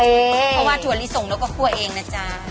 เพราะว่าถั่วลิสงเราก็คั่วเองนะจ๊ะ